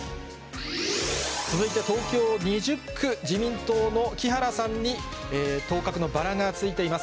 続いて、東京２０区、自民党の木原さんに当確のバラがついています。